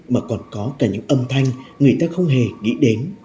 mà còn có cả những âm thanh người ta không hề nghĩ đến